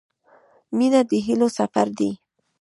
• مینه د هیلو سفر دی.